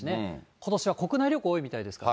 ことしは国内旅行が多いみたいですから。